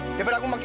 daripada aku makin